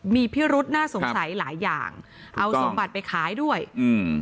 มีพิรุษน่าสงสัยหลายอย่างเอาสมบัติไปขายด้วยอืม